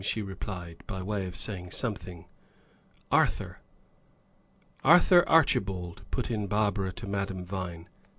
she replied, by way of saying something. "Arthur." "Arthur Archibald," put in Barbara to Madame Vine.